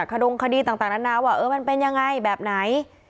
ขดงคดีต่างนานาว่าเออมันเป็นยังไงแบบไหน